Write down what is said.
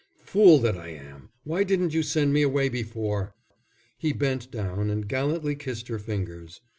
"Fool that I am! Why didn't you send me away before?" He bent down and gallantly kissed her fingers.